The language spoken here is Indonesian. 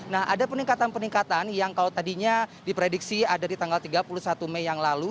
nah ada peningkatan peningkatan yang kalau tadinya diprediksi ada di tanggal tiga puluh satu mei yang lalu